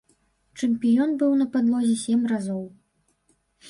Чэмпіён быў на падлозе сем разоў.